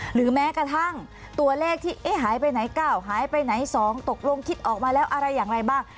หรือแม้กระทั่งตัวเลขที่หายไปไหน๙หายไปไหน๒ตกลงคิดออกมาแล้วอะไรอย่างไรบ้าง